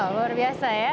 luar biasa ya